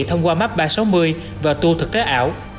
thông qua map ba trăm sáu mươi và tour thực tế ảo